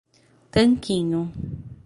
Tanquinho